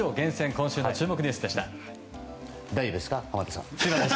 今週の注目ニュースでした。